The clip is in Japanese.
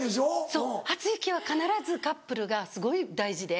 そう初雪は必ずカップルがすごい大事で。